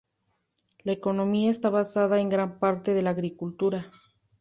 La economía está basada en gran parte en la agricultura.